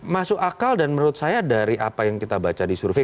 masuk akal dan menurut saya dari apa yang kita baca di survei